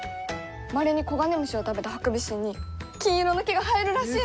まれにコガネムシを食べたハクビシンに金色の毛が生えるらしいの！